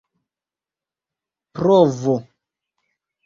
provo